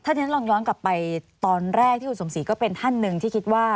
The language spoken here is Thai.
ที่ฉันลองย้อนกลับไปตอนแรกที่คุณสมศรีก็เป็นท่านหนึ่งที่คิดว่า